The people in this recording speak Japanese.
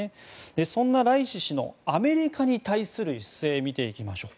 そんなライシ師のアメリカに対する姿勢を見ていきましょう。